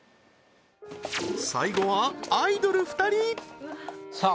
最後はアイドル２人さあ